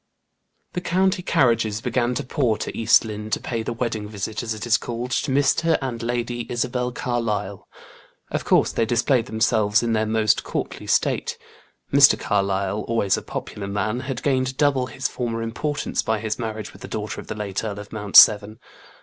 The county carriages began to pour to East Lynne, to pay the wedding visit, as it is called, to Mr. and Lady Isabel Carlyle. Of course they displayed themselves in their most courtly state. Mr. Carlyle, always a popular man, had gained double his former importance by his marriage with the daughter of the late Earl of Mount Severn.